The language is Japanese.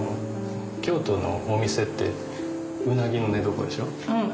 京都のお店ってうなぎの寝床でしょう？